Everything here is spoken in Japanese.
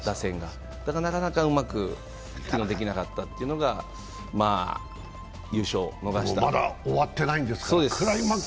だから、なかなかうまく機能できなかったというのがまだ終わっていない。